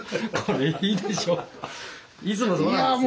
いつもそうなんですよ。